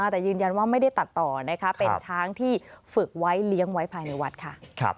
แต่ยืนยันว่าไม่ได้ตัดต่อนะคะเป็นช้างที่ฝึกไว้เลี้ยงไว้ภายในวัดค่ะ